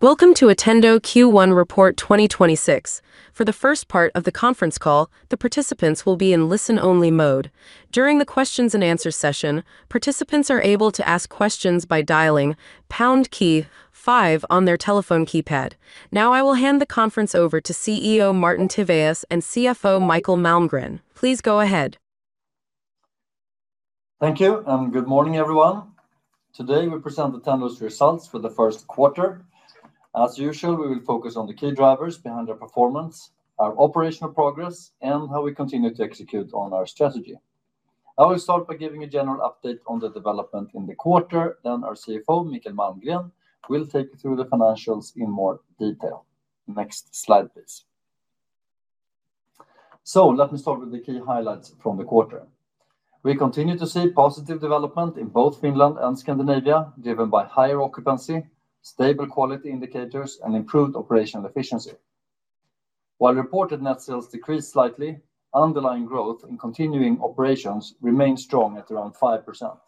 Welcome to Attendo Q1 Report 2026. For the first part of the conference call, the participants will be in listen-only mode. During the questions and answers session, participants are able to ask questions by dialing pound key five on their telephone keypad. Now I will hand the conference over to CEO Martin Tivéus and CFO Mikael Malmgren. Please go ahead. Thank you, and good morning, everyone. Today, we present Attendo's results for the first quarter. As usual, we will focus on the key drivers behind our performance, our operational progress, and how we continue to execute on our strategy. I will start by giving a general update on the development in the quarter, then our CFO, Mikael Malmgren, will take you through the financials in more detail. Next slide, please. Let me start with the key highlights from the quarter. We continue to see positive development in both Finland and Scandinavia, driven by higher occupancy, stable quality indicators, and improved operational efficiency. While reported net sales decreased slightly, underlying growth in continuing operations remained strong at around 5%.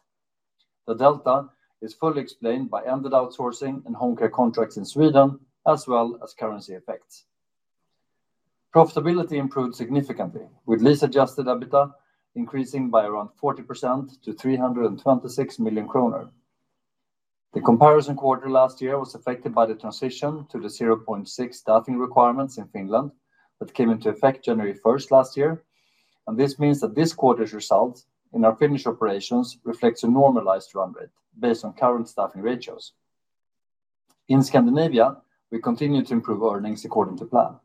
The delta is fully explained by ended outsourcing and home care contracts in Sweden, as well as currency effects. Profitability improved significantly, with lease-adjusted EBITDA increasing by around 40% to 326 million kronor. The comparison quarter last year was affected by the transition to the 0.6 staffing requirements in Finland that came into effect January 1st last year. This means that this quarter's results in our Finnish operations reflects a normalized run rate based on current staffing ratios. In Scandinavia, we continue to improve earnings according to plan.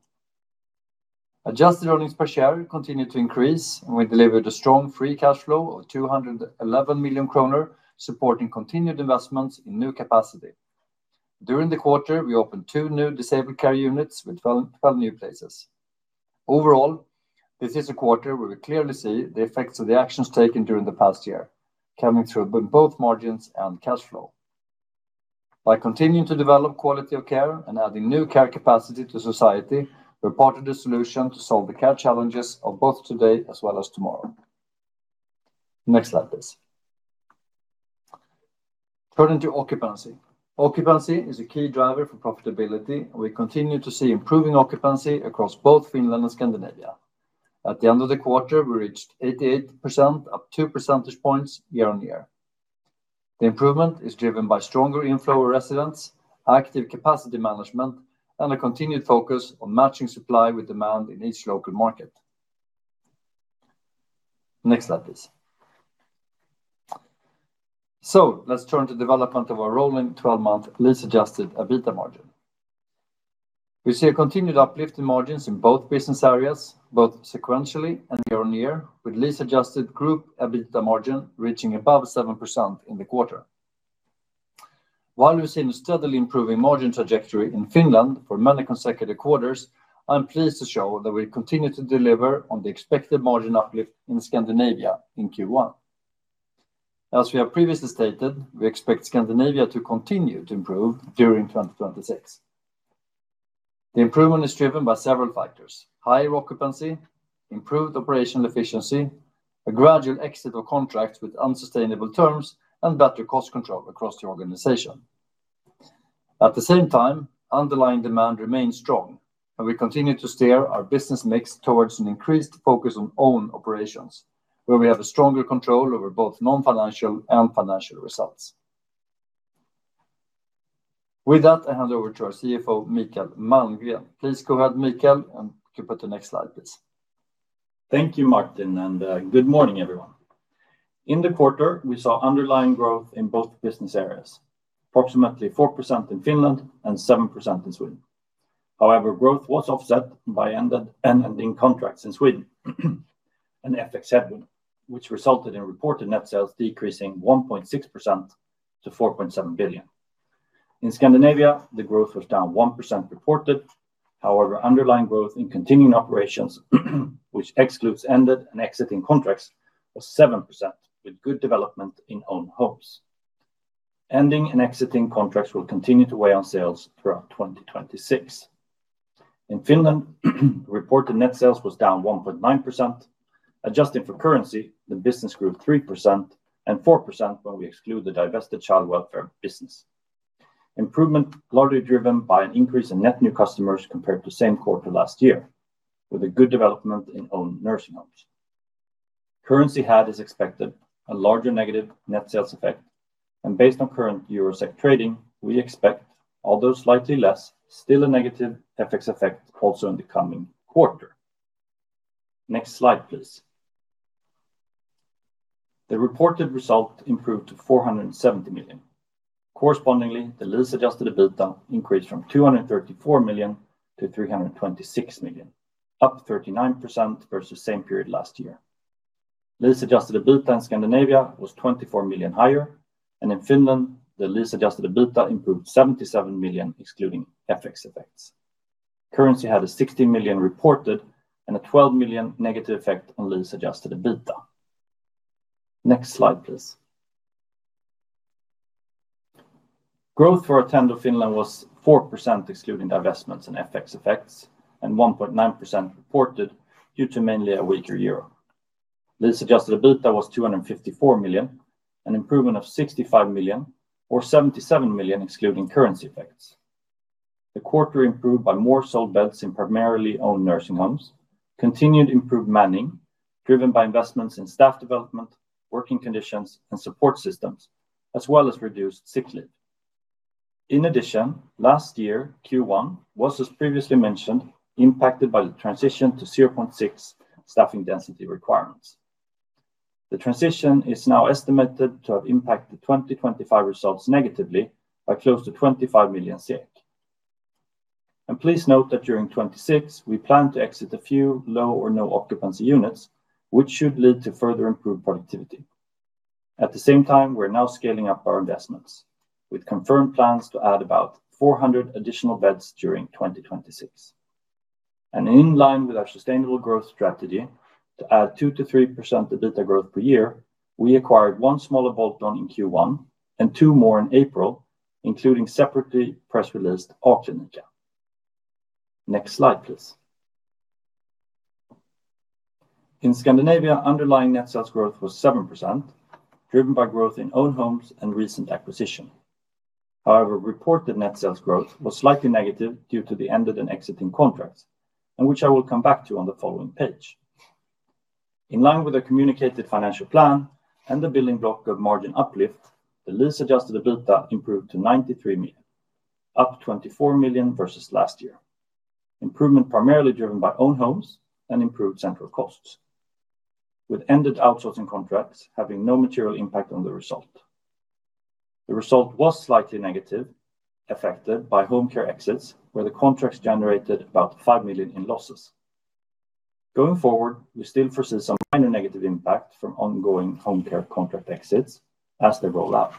Adjusted earnings per share continued to increase. We delivered a strong free cash flow of 211 million kronor, supporting continued investments in new capacity. During the quarter, we opened two new disabled care units with 12 new places. Overall, this is a quarter where we clearly see the effects of the actions taken during the past year, coming through both margins and cash flow. By continuing to develop quality of care and adding new care capacity to society, we're part of the solution to solve the care challenges of both today as well as tomorrow. Next slide, please. Turning to occupancy. Occupancy is a key driver for profitability. We continue to see improving occupancy across both Finland and Scandinavia. At the end of the quarter, we reached 88%, up 2 percentage points year-on-year. The improvement is driven by stronger inflow of residents, active capacity management, and a continued focus on matching supply with demand in each local market. Next slide, please. Let's turn to development of our rolling 12-month lease-adjusted EBITDA margin. We see a continued uplift in margins in both business areas, both sequentially and year-on-year, with lease-adjusted group EBITDA margin reaching above 7% in the quarter. While we've seen a steadily improving margin trajectory in Finland for many consecutive quarters, I'm pleased to show that we continue to deliver on the expected margin uplift in Scandinavia in Q1. As we have previously stated, we expect Scandinavia to continue to improve during 2026. The improvement is driven by several factors: higher occupancy, improved operational efficiency, a gradual exit of contracts with unsustainable terms, and better cost control across the organization. At the same time, underlying demand remains strong, and we continue to steer our business mix towards an increased focus on own operations, where we have a stronger control over both non-financial and financial results. With that, I hand over to our CFO, Mikael Malmgren. Please go ahead, Mikael, and you can put the next slide, please. Thank you, Martin, and good morning, everyone. In the quarter, we saw underlying growth in both business areas, approximately 4% in Finland and 7% in Sweden. Growth was offset by ending contracts in Sweden and FX headwind, which resulted in reported net sales decreasing 1.6% to 4.7 billion. In Scandinavia, the growth was down 1% reported. Underlying growth in continuing operations, which excludes ended and exiting contracts, was 7% with good development in own homes. Ending and exiting contracts will continue to weigh on sales throughout 2026. In Finland, reported net sales was down 1.9%. Adjusting for currency, the business grew 3% and 4% when we exclude the divested child welfare business. Improvement largely driven by an increase in net new customers compared to same quarter last year, with a good development in own nursing homes. Currency had, as expected, a larger negative net sales effect. Based on current Euro/SEK trading, we expect, although slightly less, still a negative FX effect also in the coming quarter. Next slide, please. The reported result improved to 470 million. Correspondingly, the lease-adjusted EBITDA increased from 234 million-326 million, up 39% versus same period last year. Lease-adjusted EBITDA in Scandinavia was 24 million higher, in Finland, the lease-adjusted EBITDA improved 77 million, excluding FX effects. Currency had a 60 million reported and a 12 million negative effect on lease-adjusted EBITDA. Next slide, please. Growth for Attendo Finland was 4% excluding divestments and FX effects, and 1.9% reported due to mainly a weaker EUR. Lease-adjusted EBITDA was 254 million, an improvement of 65 million, or 77 million excluding currency effects. The quarter improved by more sold beds in primarily owned nursing homes, continued improved manning driven by investments in staff development, working conditions and support systems, as well as reduced sick leave. In addition, last year, Q1 was, as previously mentioned, impacted by the transition to 0.6 staffing density requirements. The transition is now estimated to have impacted 2025 results negatively by close to 25 million SEK. Please note that during 2026, we plan to exit a few low or no occupancy units, which should lead to further improved productivity. At the same time, we're now scaling up our investments with confirmed plans to add about 400 additional beds during 2026. In line with our sustainable growth strategy to add 2%-3% EBITDA growth per year, we acquired one smaller bolt-on in Q1 and two more in April, including separately press released A-klinikka in April. Next slide, please. In Scandinavia, underlying net sales growth was 7%, driven by growth in own homes and recent acquisition. Reported net sales growth was slightly negative due to the ended and exiting contracts, and which I will come back to on the following page. In line with the communicated financial plan and the building block of margin uplift, the lease-adjusted EBITDA improved to 93 million, up 24 million versus last year. Improvement primarily driven by own homes and improved central costs, with ended outsourcing contracts having no material impact on the result. The result was slightly negative, affected by home care exits, where the contracts generated about 5 million in losses. Going forward, we still foresee some minor negative impact from ongoing home care contract exits as they roll out.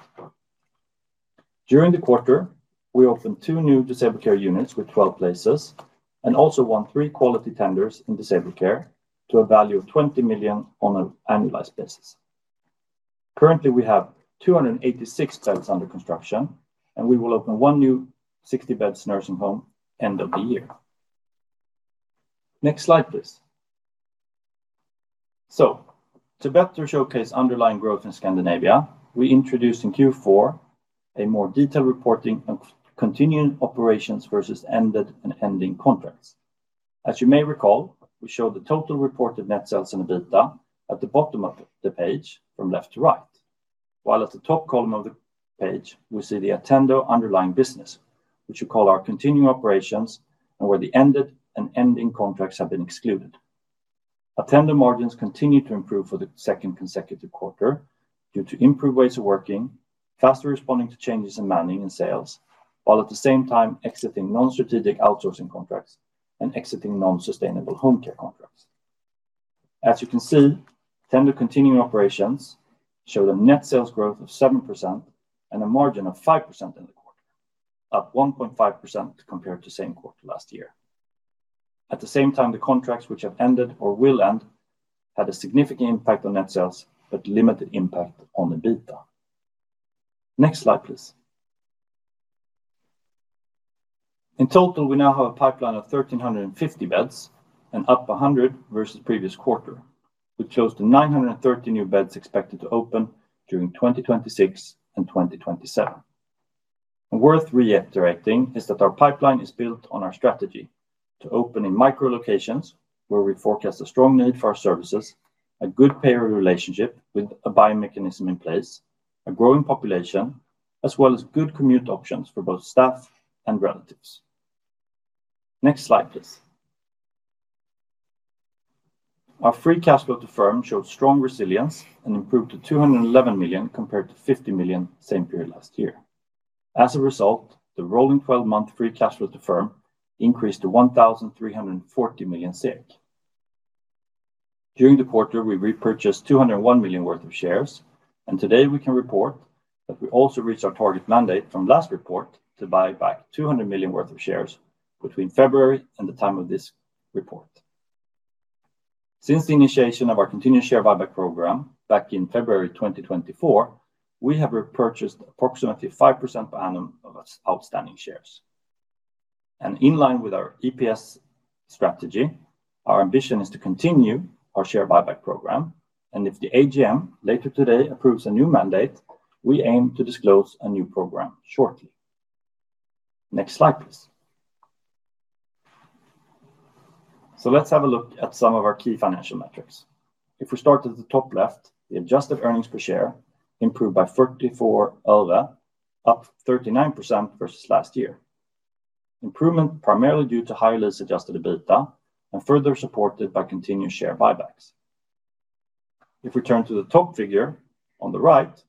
During the quarter, we opened two new disabled care units with 12 places and also won three quality tenders in disabled care to a value of 20 million on an annualized basis. Currently, we have 286 beds under construction, and we will open one new 60-beds nursing home end of the year. Next slide, please. To better showcase underlying growth in Scandinavia, we introduced in Q4 a more detailed reporting of continuing operations versus ended and ending contracts. As you may recall, we show the total reported net sales and EBITDA at the bottom of the page from left to right. At the top column of the page, we see the Attendo underlying business, which we call our continuing operations, and where the ended and ending contracts have been excluded. Attendo margins continued to improve for the second consecutive quarter due to improved ways of working, faster responding to changes in manning and sales, while at the same time exiting non-strategic outsourcing contracts and exiting non-sustainable home care contracts. You can see, Attendo continuing operations show a net sales growth of 7% and a margin of 5% in the quarter, up 1.5% compared to the same quarter last year. At the same time, the contracts which have ended or will end had a significant impact on net sales, but limited impact on EBITDA. Next slide, please. In total, we now have a pipeline of 1,350 beds and up 100 versus previous quarter, which shows the 930 new beds expected to open during 2026 and 2027. Worth reiterating is that our pipeline is built on our strategy to open in micro locations where we forecast a strong need for our services, a good payer relationship with a buying mechanism in place, a growing population, as well as good commute options for both staff and relatives. Next slide, please. Our free cash flow to firm showed strong resilience and improved to 211 million, compared to 50 million same period last year. As a result, the rolling 12-month free cash flow to firm increased to 1,340 million. During the quarter, we repurchased 201 million worth of shares, and today we can report that we also reached our target mandate from last report to buy back 200 million worth of shares between February and the time of this report. Since the initiation of our continuous share buyback program back in February 2024, we have repurchased approximately 5% per annum of outstanding shares. In line with our EPS strategy, our ambition is to continue our share buyback program, and if the AGM later today approves a new mandate, we aim to disclose a new program shortly. Next slide, please. Let's have a look at some of our key financial metrics. If we start at the top left, the adjusted earnings per share improved by 0.44, up 39% versus last year. Improvement primarily due to higher lease-adjusted EBITDA and further supported by continued share buybacks. If we turn to the top figure on the right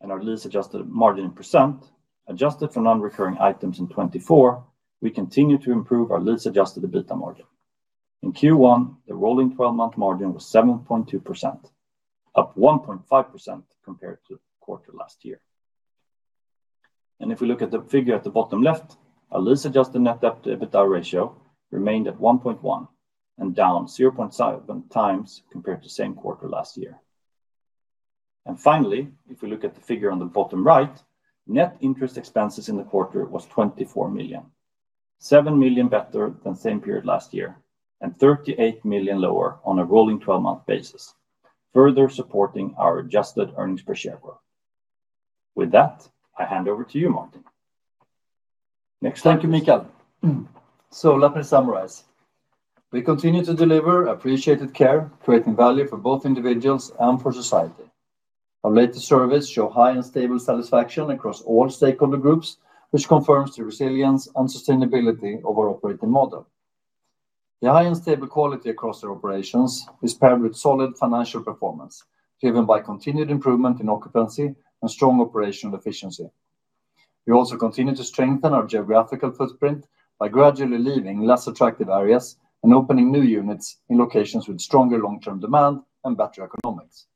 and our lease-adjusted margin in %, adjusted for non-recurring items in 2024, we continue to improve our lease-adjusted EBITDA margin. In Q1, the rolling twelve-month margin was 7.2%, up 1.5% compared to the quarter last year. If we look at the figure at the bottom left, our lease-adjusted net debt-to-EBITDA ratio remained at 1.1 and down 0.7x compared to the same quarter last year. Finally, if we look at the figure on the bottom right, net interest expenses in the quarter was 24 million. 7 million better than the same period last year, and 38 million lower on a rolling 12-month basis, further supporting our adjusted earnings per share growth. With that, I hand over to you, Martin. Next slide, please. Thank you, Mikael. Let me summarize. We continue to deliver appreciated care, creating value for both individuals and for society. Our latest surveys show high and stable satisfaction across all stakeholder groups, which confirms the resilience and sustainability of our operating model. The high and stable quality across our operations is paired with solid financial performance, driven by continued improvement in occupancy and strong operational efficiency. We also continue to strengthen our geographical footprint by gradually leaving less attractive areas and opening new units in locations with stronger long-term demand and better economics.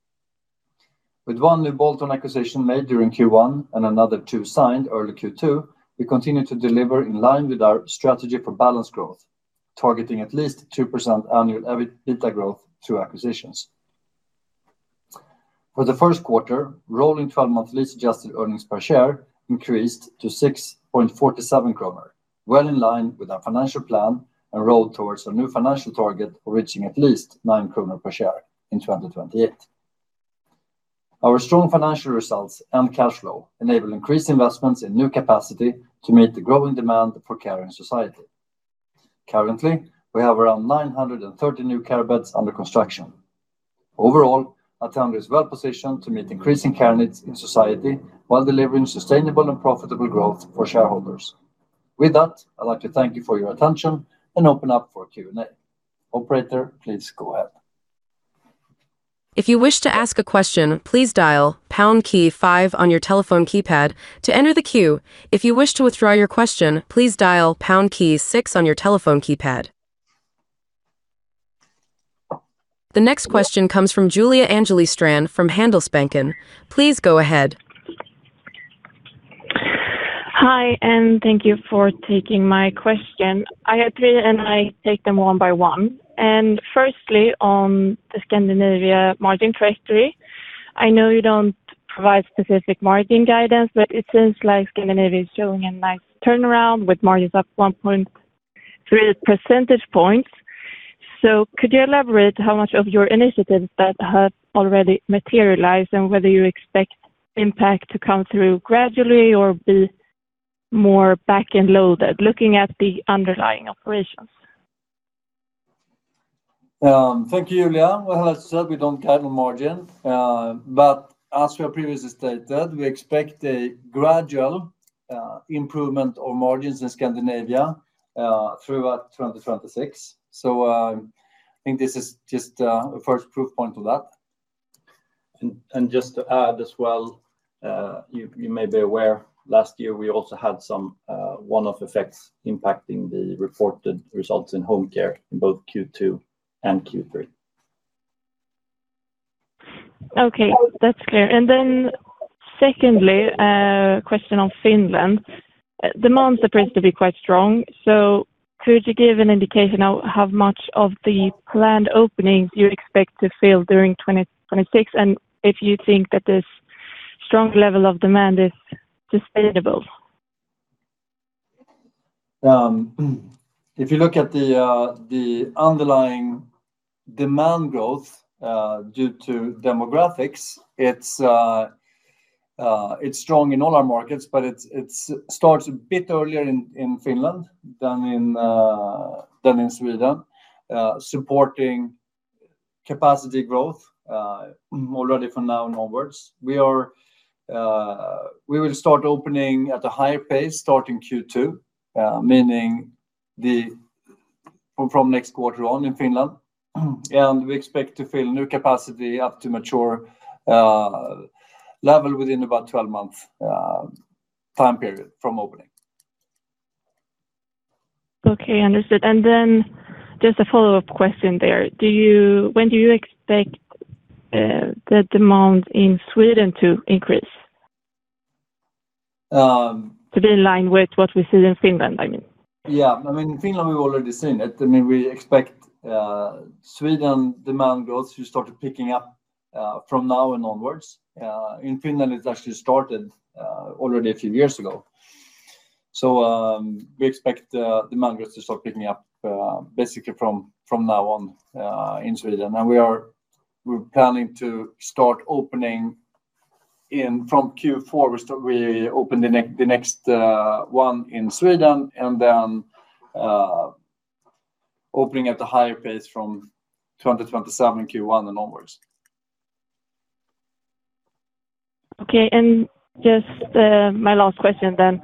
With one new bolt-on acquisition made during Q1 and another two signed early Q2, we continue to deliver in line with our strategy for balanced growth, targeting at least 2% annual EBITA growth through acquisitions. For the first quarter, rolling 12-month lease-adjusted earnings per share increased to 6.47 kronor, well in line with our financial plan and road towards our new financial target of reaching at least 9 kronor per share in 2028. Our strong financial results and cash flow enable increased investments in new capacity to meet the growing demand for care in society. Currently, we have around 930 new care beds under construction. Overall, Attendo is well-positioned to meet increasing care needs in society while delivering sustainable and profitable growth for shareholders. With that, I'd like to thank you for your attention and open up for Q&A. Operator, please go ahead. If you wish to ask a question, please dial pound key five on your telephone keypad to enter the queue. If you wish to withdraw your question, please dial pound key six on your telephone keypad. The next question comes from Julia Angeli Strand from Handelsbanken. Please go ahead. Hi, thank you for taking my question. I had three, I take them one by one. Firstly, on the Scandinavia margin trajectory, I know you don't provide specific margin guidance, but it seems like Scandinavia is showing a nice turnaround with margins up 1.3 percentage points. Could you elaborate how much of your initiatives that have already materialized and whether you expect impact to come through gradually or be more back-end loaded, looking at the underlying operations? Thank you, Julia. Well, as I said, we don't guide on margin. As we have previously stated, we expect a gradual improvement of margins in Scandinavia throughout 2026. I think this is just a first proof point of that. Just to add as well, you may be aware, last year, we also had some one-off effects impacting the reported results in home care in both Q2 and Q3. Okay. That's clear. Secondly, question on Finland. Demand appears to be quite strong. Could you give an indication on how much of the planned openings you expect to fill during 2026, and if you think that this strong level of demand is sustainable? If you look at the underlying demand growth due to demographics, it starts a bit earlier in Finland than in Sweden, supporting capacity growth already from now onwards. We will start opening at a higher pace starting Q2, meaning from next quarter on in Finland. We expect to fill new capacity up to mature level within about 12 months time period from opening. Okay. Understood. Just a follow-up question there. When do you expect the demand in Sweden to increase? Um- To be in line with what we see in Finland, I mean. Yeah. I mean, in Finland, we've already seen it. I mean, we expect Sweden demand growth to start picking up from now and onwards. In Finland, it actually started already a few years ago. We expect demand growth to start picking up basically from now on in Sweden. We're planning to start opening from Q4, we open the next one in Sweden and then opening at a higher pace from 2027 Q1 and onwards. Okay. Just my last question then.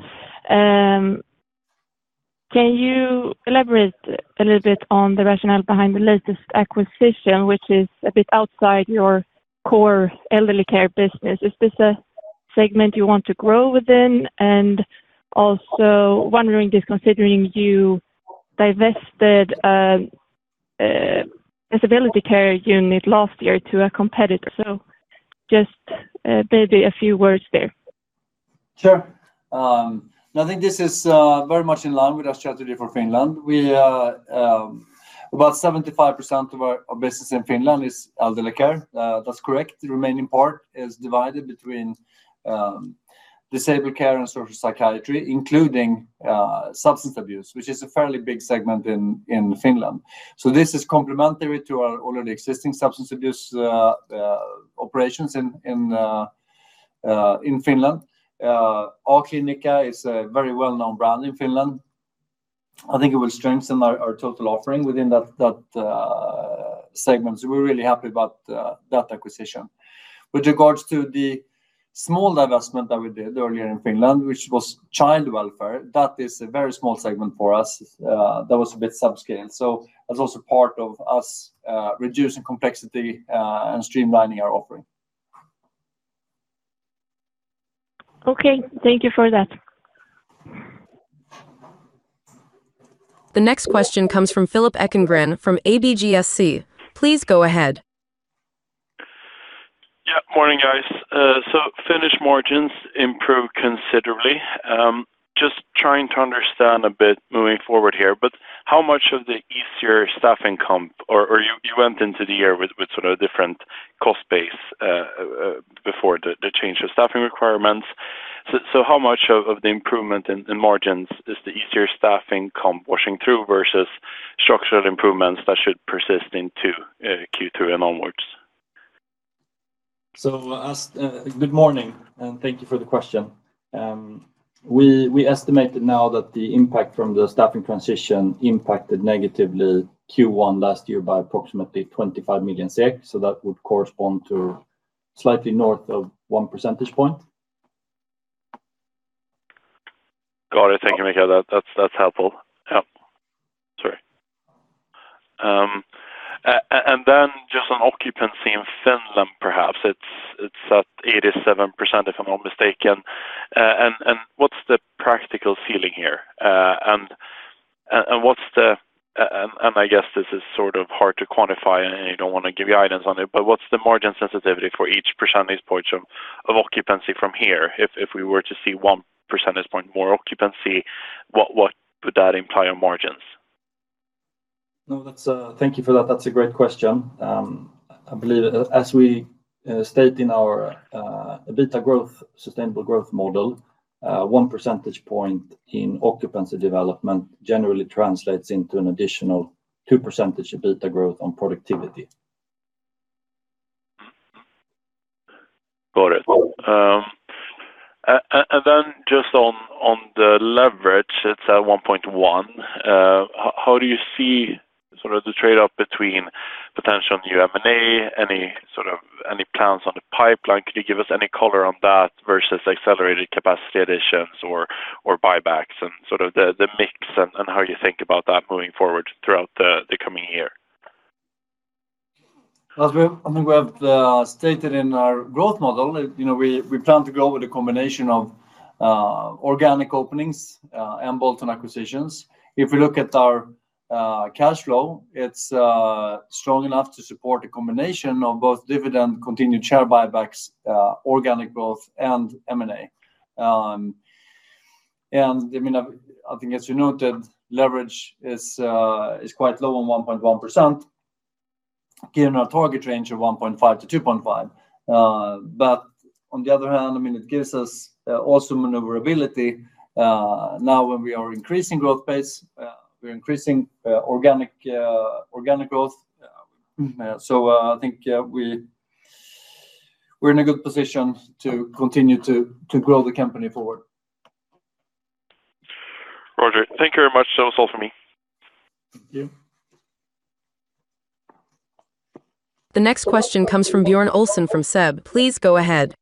Can you elaborate a little bit on the rationale behind the latest acquisition, which is a bit outside your core elderly care business? Is this a segment you want to grow within? Also wondering this, considering you divested a disability care unit last year to a competitor. Just maybe a few words there. Sure. I think this is very much in line with our strategy for Finland. We, about 75% of our business in Finland is elder care. That's correct. The remaining part is divided between disabled care and social psychiatry, including substance abuse, which is a fairly big segment in Finland. This is complementary to our already existing substance abuse operations in Finland. A-klinikka is a very well-known brand in Finland. I think it will strengthen our total offering within that segment. We're really happy about that acquisition. With regards to the small divestment that we did earlier in Finland, which was child welfare. That is a very small segment for us. That was a bit subscale. That's also part of us reducing complexity and streamlining our offering. Okay. Thank you for that. The next question comes from Philip Ekengren from ABGSC. Please go ahead. Morning, guys. Finnish margins improved considerably. Just trying to understand a bit moving forward here, but how much of the easier staffing comp or you went into the year with sort of different cost base before the change of staffing requirements. How much of the improvement in margins is the easier staffing comp washing through versus structural improvements that should persist into Q2 and onwards? Good morning, and thank you for the question. We estimate that the impact from the staffing transition impacted negatively Q1 last year by approximately 25 million SEK. That would correspond to slightly north of 1 percentage point. Got it. Thank you, Mika. That's helpful. Yeah. Sorry. Then just on occupancy in Finland, perhaps it's at 87%, if I'm not mistaken. What's the practical ceiling here? I guess this is sort of hard to quantify, and you don't wanna give guidance on it, but what's the margin sensitivity for each percentage point of occupancy from here? If we were to see 1 percentage point more occupancy, what would that imply on margins? No, Thank you for that. That's a great question. I believe as we state in our EBITDA growth, sustainable growth model, 1 percentage point in occupancy development generally translates into an additional 2% EBITDA growth on productivity. Got it. Then just on the leverage, it's at 1.1. How do you see sort of the trade-off between potential new M&A? Any sort of any plans on the pipeline? Could you give us any color on that versus accelerated capacity additions or buybacks and sort of the mix and how you think about that moving forward throughout the coming year? As we have stated in our growth model, you know, we plan to grow with a combination of organic openings and bolt-on acquisitions. If we look at our cash flow, it's strong enough to support a combination of both dividend, continued share buybacks, organic growth and M&A. I mean, I think as you noted, leverage is quite low on 1.1%, given our target range of 1.5%-2.5%. On the other hand, I mean, it gives us also maneuverability now when we are increasing growth pace, we're increasing organic growth. I think we're in a good position to continue to grow the company forward. Roger. Thank you very much. That was all for me. Thank you. The next question comes from Björn Olsson from SEB. Please go ahead.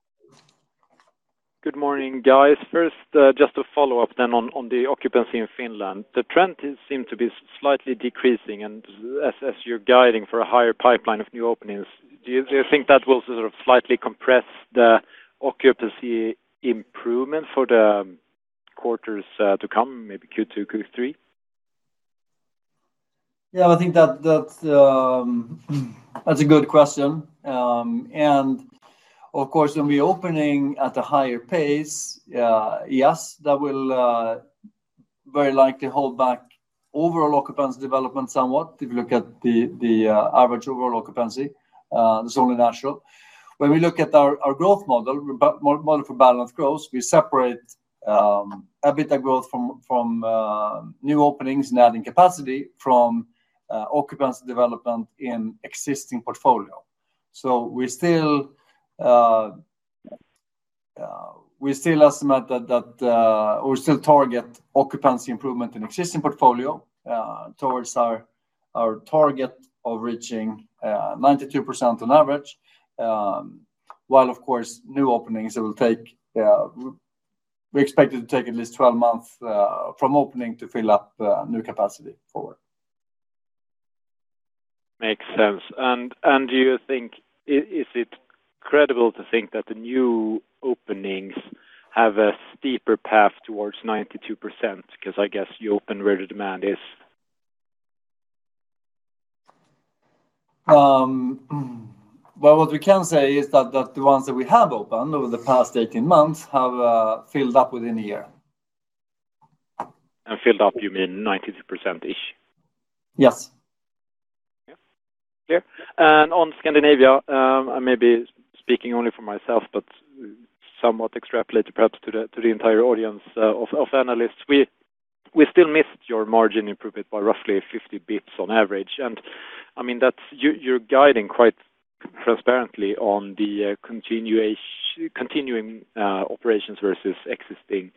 Good morning, guys. First, just to follow up then on the occupancy in Finland. The trend seems to be slightly decreasing, as you're guiding for a higher pipeline of new openings, do you think that will sort of slightly compress the occupancy improvement for the quarters to come, maybe Q2, Q3? I think that's a good question. Of course, when we open at a higher pace, yes, that will very likely hold back overall occupancy development somewhat. If you look at the average overall occupancy, it's only natural. When we look at our growth model for balanced growth, we separate EBITDA growth from new openings and adding capacity from occupancy development in existing portfolio. We still estimate that, or we still target occupancy improvement in existing portfolio towards our target of reaching 92% on average. While of course, new openings it will take, we expect it to take at least 12 months from opening to fill up new capacity forward. Makes sense. Do you think is it credible to think that the new openings have a steeper path towards 92%? I guess you open where the demand is. Well, what we can say is that the ones that we have opened over the past 18 months have filled up within one year. Filled up, you mean 92%-ish? Yes. Yes, clear. On Scandinavia, I may be speaking only for myself, but somewhat extrapolated perhaps to the entire audience of analysts. We still missed your margin improvement by roughly 50 bits on average. I mean, that's you're guiding quite transparently on the continuing operations versus existing.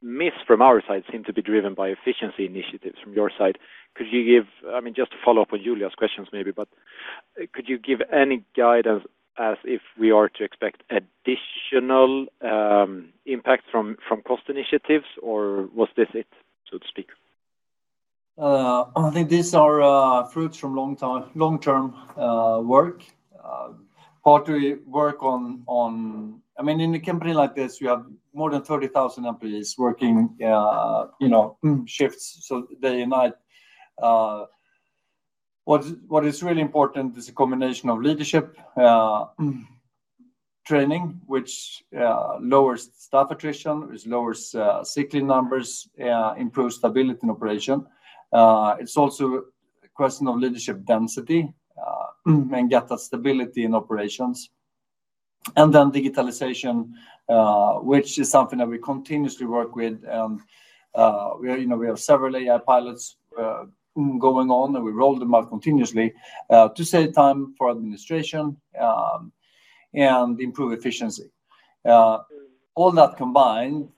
The miss from our side seem to be driven by efficiency initiatives from your side. Could you give I mean, just to follow up on Julia's questions maybe, but could you give any guidance as if we are to expect additional impact from cost initiatives, or was this it, so to speak? I think these are fruits from long-term work. Part we work on, I mean, in a company like this, you have more than 30,000 employees working, you know, shifts, so day and night. What is really important is a combination of leadership training, which lowers staff attrition, which lowers sick leave numbers, improves stability in operation. It's also a question of leadership density, get that stability in operations. Then digitalization, which is something that we continuously work with. We, you know, we have several AI pilots going on, and we roll them out continuously to save time for administration, and improve efficiency. All that combined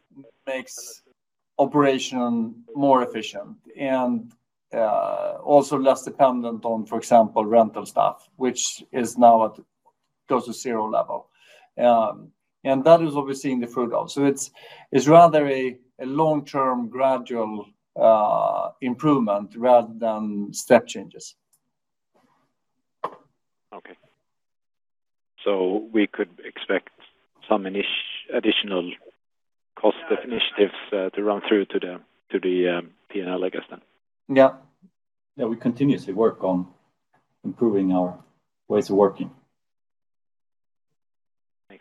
makes operation more efficient and also less dependent on, for example, rental staff, which is now at close to zero level. That is what we're seeing the fruit of. It's rather a long-term gradual improvement rather than step changes. Okay. We could expect some additional cost initiatives to run through to the P&L, I guess then? Yeah. We continuously work on improving our ways of working.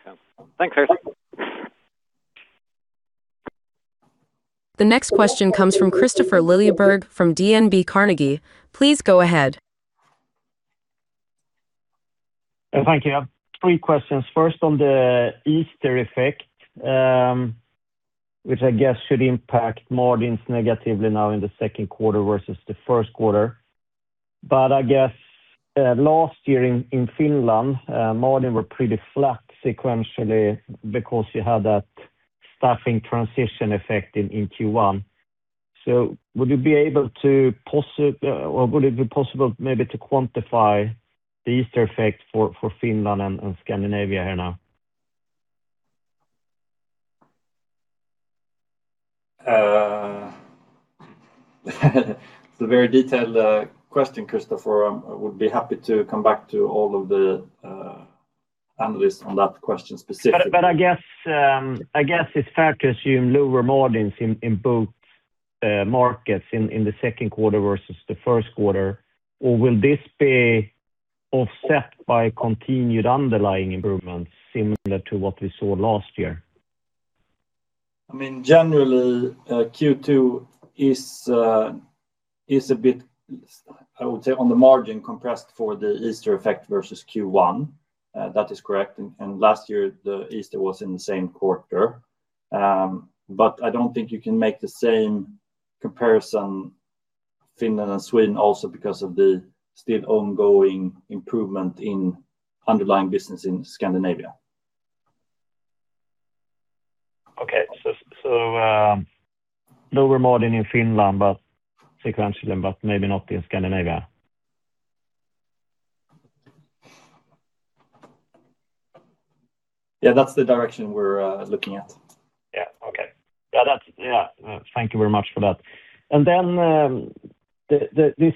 Makes sense. Thanks, Martin. The next question comes from Kristofer Liljeberg from DNB Carnegie. Please go ahead. Thank you. I have three questions. First, on the Easter effect, which I guess should impact margins negatively now in the second quarter versus the first quarter. I guess, last year in Finland, margin were pretty flat sequentially because you had that staffing transition effect in Q1. Would you be able to or will it be possible maybe to quantify the Easter effect for Finland and Scandinavia here now? It's a very detailed question, Kristofer. I would be happy to come back to all of the analysts on that question specifically. I guess, I guess it's fair to assume lower margins in both markets in the second quarter versus the first quarter. Will this be offset by continued underlying improvements similar to what we saw last year? I mean, generally, Q2 is a bit, I would say, on the margin compressed for the Easter effect versus Q1. That is correct. Last year the Easter was in the same quarter. I don't think you can make the same comparison Finland and Sweden also because of the still ongoing improvement in underlying business in Scandinavia. Okay. Lower margin in Finland, but sequentially, but maybe not in Scandinavia? Yeah. That's the direction we're looking at. Yeah. Okay. Yeah, that's Yeah. Thank you very much for that. This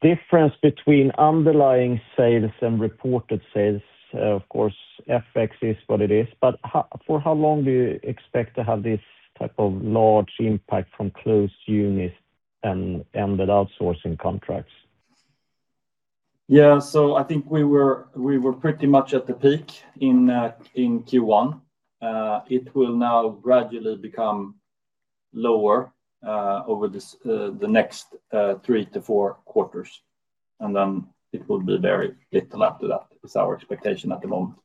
difference between underlying sales and reported sales, of course, FX is what it is, but how for how long do you expect to have this type of large impact from closed units and ended outsourcing contracts? Yeah. I think we were pretty much at the peak in Q1. It will now gradually become lower over this, the next, three to four quarters, and then it will be very little after that, is our expectation at the moment.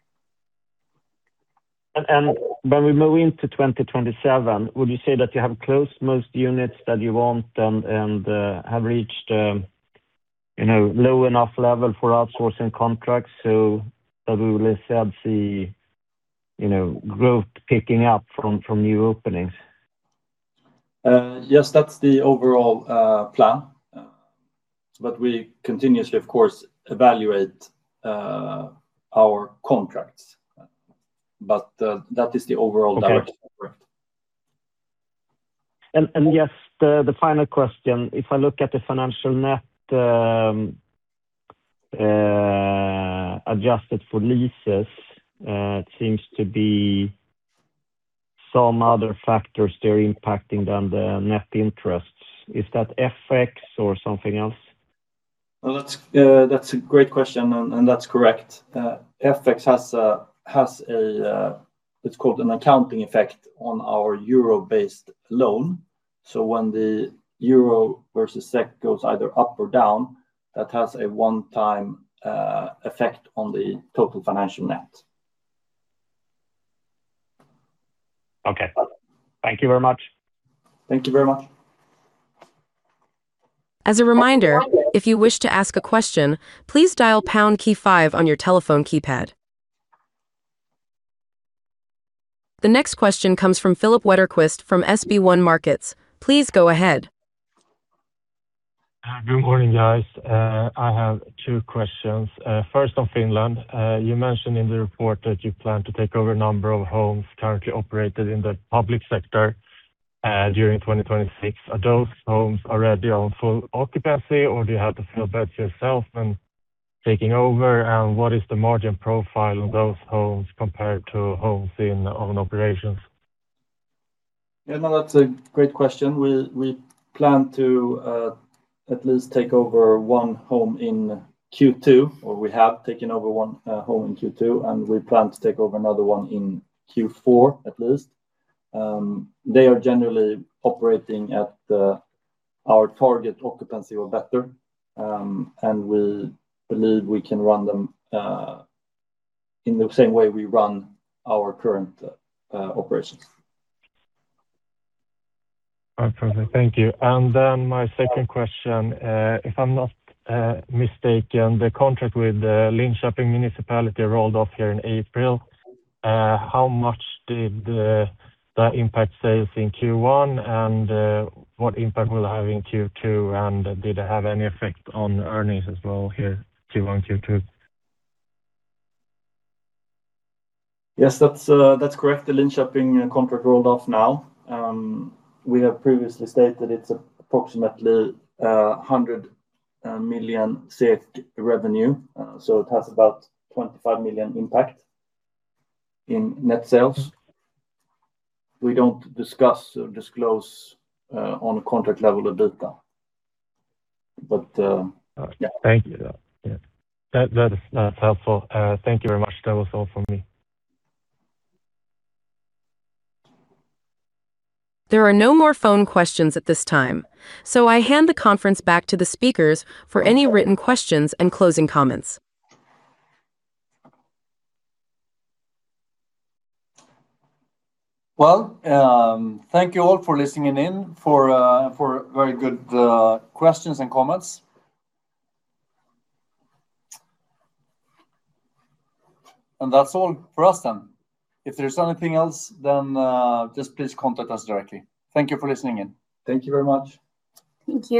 When we move into 2027, would you say that you have closed most units that you want and have reached, you know, low enough level for outsourcing contracts so that we will still see, you know, growth picking up from new openings? Yes, that's the overall plan. We continuously, of course, evaluate our contracts. That is the overall direction. Okay. Correct. Just the final question. If I look at the financial net, adjusted for leases, it seems to be some other factors they're impacting than the net interests. Is that FX or something else? That's a great question and that's correct. FX has a, it's called an accounting effect on our Euro-based loan. When the Euro versus SEK goes either up or down, that has a one-time effect on the total financial net. Okay. Thank you very much. Thank you very much. As a reminder, if you wish to ask a question, please dial pound key five on your telephone keypad. The next question comes from Filip Wetterqvist from SB1 Markets. Please go ahead. Good morning, guys. I have two questions. First on Finland. You mentioned in the report that you plan to take over a number of homes currently operated in the public sector during 2026. Are those homes already on full occupancy, or do you have to fill beds yourself when taking over? What is the margin profile of those homes compared to homes in own operations? Yeah, no, that's a great question. We plan to at least take over one home in Q2, or we have taken over one home in Q2, and we plan to take over another one in Q4 at least. They are generally operating at our target occupancy or better, and we believe we can run them in the same way we run our current operations. Perfect. Thank you. Then my second question, if I'm not mistaken, the contract with the Linköping Municipality rolled off here in April. How much did that impact sales in Q1, and what impact will it have in Q2? Did it have any effect on earnings as well here, Q1, Q2? Yes, that's correct. The Linköping contract rolled off now. We have previously stated it's approximately 100 million revenue, it has about 25 million impact in net sales. We don't discuss or disclose on a contract level of data. Thank you. Yeah. That's helpful. Thank you very much. That was all for me. There are no more phone questions at this time, so I hand the conference back to the speakers for any written questions and closing comments. Well, thank you all for listening in, for very good questions and comments. That's all for us then. If there's anything else, then, just please contact us directly. Thank you for listening in. Thank you very much. Thank you.